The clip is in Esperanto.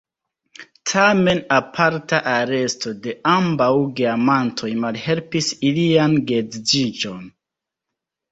Tamen aparta aresto de ambaŭ geamantoj malhelpis ilian geedziĝon.